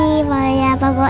selamat pagi maurya pak bu oim